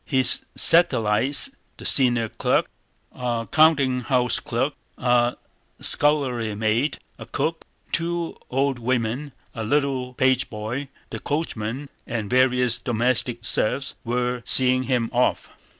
His satellites—the senior clerk, a countinghouse clerk, a scullery maid, a cook, two old women, a little pageboy, the coachman, and various domestic serfs—were seeing him off.